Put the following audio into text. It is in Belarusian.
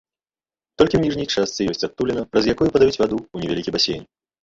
Толькі ў ніжняй частцы ёсць адтуліна, праз якую падаюць ваду ў невялікі басейн.